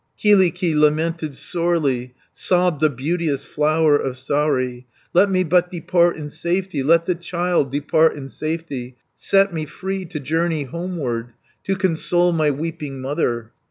Kyllikki lamented sorely, Sobbed the beauteous Flower of Saari: "Let me but depart in safety, Let the child depart in safety, Set me free to journey homeward To console my weeping mother.